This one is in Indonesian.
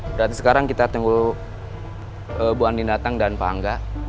berarti sekarang kita tunggu bu ani datang dan pak angga